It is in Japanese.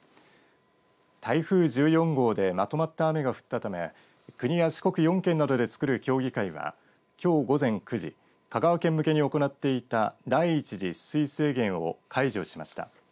台風１４号でまとまった雨が降ったため国や四国４県などで作る協議会はきょう午前９時香川県向けに行っていた第１次取水制限を解除しました。